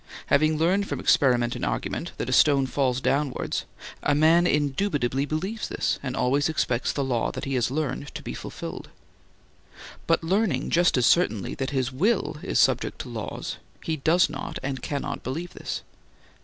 Having learned from experiment and argument that a stone falls downwards, a man indubitably believes this and always expects the law that he has learned to be fulfilled. But learning just as certainly that his will is subject to laws, he does not and cannot believe this.